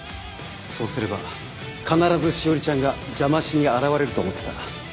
そうすれば必ず詩織ちゃんが邪魔しに現れると思ってた。